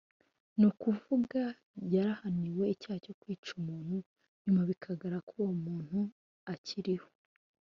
(ni ukuvuga yarahaniwe icyaha cyo kwica umuntu nyuma bikagaragara ko uwo muntu akiriho)